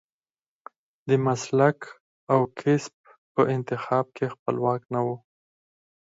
د مسلک او کسب په انتخاب کې خپلواک نه و.